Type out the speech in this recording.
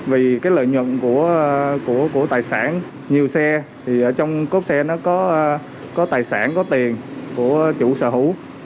vì cái lợi nhuận của tài sản nhiều xe thì ở trong cốp xe nó có tài sản có tiền của chủ sở hữu